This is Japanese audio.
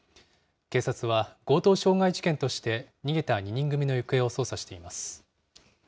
警察は強盗傷害事件として逃げた２人組の行方を捜査しています。